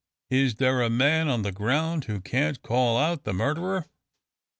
Is there a man on the ground who can't call out the murderer?"